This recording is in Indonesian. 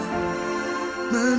aku akan pergi